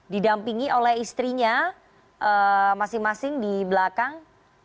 didampingi oleh istrinya masing masing di belakang